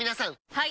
はい！